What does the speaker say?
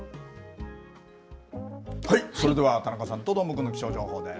それでは田中さんとどーもくんの気象情報です。